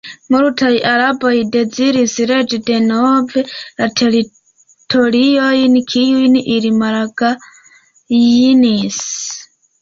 Multaj araboj deziris regi denove la teritoriojn, kiujn ili malgajnis.